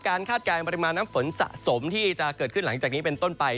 คาดการณ์ปริมาณน้ำฝนสะสมที่จะเกิดขึ้นหลังจากนี้เป็นต้นไป